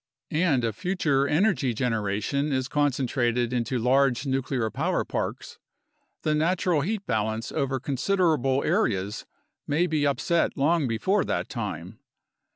And if future energy generation is concentrated into large nuclear power parks, the natural heat balance over considerable areas may be upset long before that time.